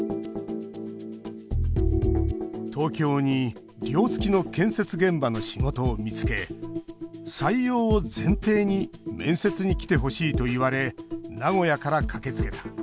東京に寮付きの建設現場の仕事を見つけ、採用を前提に面接に来てほしいと言われ名古屋から駆けつけた。